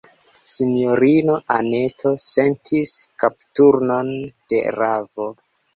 Sinjorino Anneto sentis kapturnon de ravo.